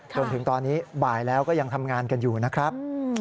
จนถึงตอนนี้บ่ายแล้วก็ยังทำงานกันอยู่นะครับ